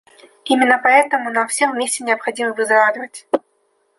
Именно поэтому нам всем вместе необходимо выздоравливать.